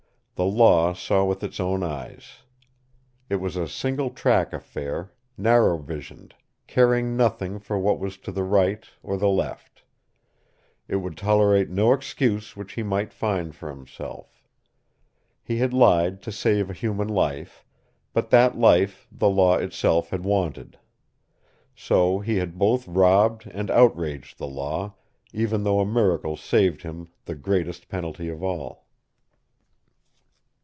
The Law saw with its own eyes. It was a single track affair, narrow visioned, caring nothing for what was to the right or the left. It would tolerate no excuse which he might find for himself. He had lied to save a human life, but that life the Law itself had wanted. So he had both robbed and outraged the Law, even though a miracle saved him the greatest penalty of all.